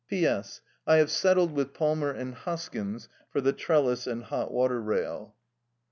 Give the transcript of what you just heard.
"P.S. I have settled with Palmer and Hoskins for the trellis and hot water rail."